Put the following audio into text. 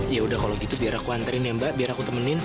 ya udah kalau gitu biar aku anterin ya mbak biar aku temenin